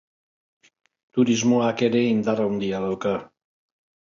Turismoak ere indar handia dauka.